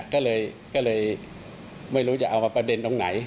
ก็เลยไม่รู้จะเอามาประเด็นตรงไหน